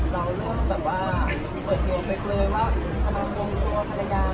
มันไม่ได้รวบคุนไปเลยว่าความรักเหมือนกดเล่มก้อนเลย